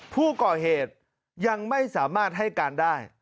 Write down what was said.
ผู้ก่อเหตุยังไม่สามารถให้การได้